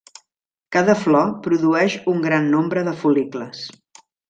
Cada flor produeix un gran nombre de fol·licles.